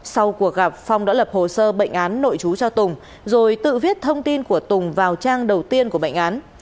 sau cuộc gặp phong đã lập hồ sơ bệnh án nội chú cho tùng rồi tự viết thông tin của tùng vào trang đầu tiên của bệnh án